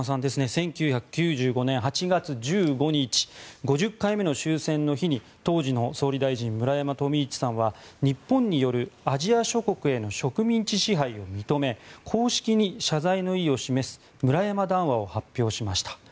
１９９５年８月１５日５０回目の終戦の日に当時の総理大臣、村山富市さんは日本によるアジア諸国への植民地支配を認め公式に謝罪の意を示す村山談話を発表しました。